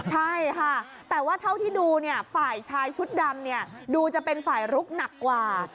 ใช่ค่ะแต่ว่าเท่าที่ดูฝ่ายชายชุดดำดูจะเป็นฝ่ายลุกหนักกว่า